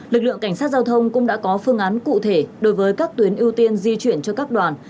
lực lượng cảnh sát giao thông cũng đã có phương án cụ thể đối với các tuyến ưu tiên di chuyển cho các đoàn